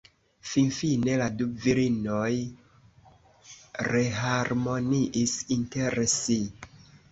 Finfine la du virinoj reharmoniis inter si.